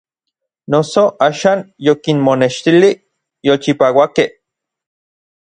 Noso axan yokinmonextilij n yolchipauakej.